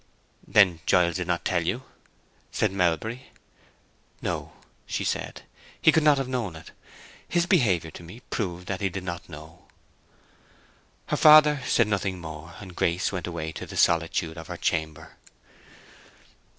"Then Giles did not tell you?" said Melbury. "No," said she. "He could not have known it. His behavior to me proved that he did not know." Her father said nothing more, and Grace went away to the solitude of her chamber.